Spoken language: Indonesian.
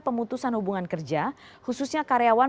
pemutusan hubungan kerja khususnya karyawan